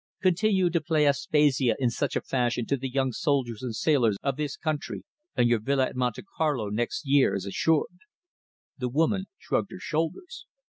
Continue to play Aspasia in such a fashion to the young soldiers and sailors of this country, and your villa at Monte Carlo next year is assured." The woman shrugged her shoulders.